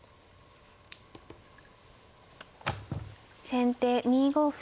先手２五歩。